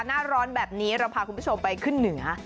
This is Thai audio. หน้าร้อนแบบนี้เราพาคุณผู้ชมไปขึ้นเหนือ